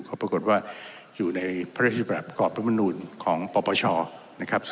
เขาปรากฏว่าอยู่ในพระราชิบรับกรอบประมนูลของปปชนะครับ